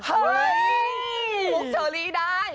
เฮ้ยยยยยยคลุกเชอรีงได้